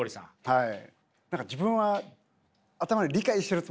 はい。